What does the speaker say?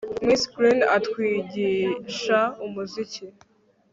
Miss Green atwigisha umuziki